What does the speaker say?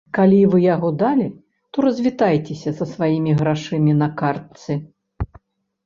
Калі вы яго далі, то развітайцеся са сваімі грашыма на картцы!